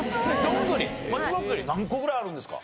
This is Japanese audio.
どんぐり松ぼっくり何個ぐらいあるんですか？